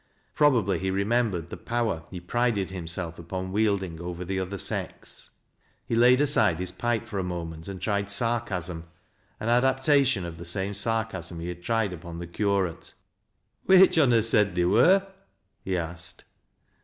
Probably he remembered the power he prided him self upon wielding over the weaker sex. He laid aside his pipe for a moment and tried sarcasm, — an adaptation of the same sarcasm he had tried upon the curate. " Which on no said theer wur ?" he asked.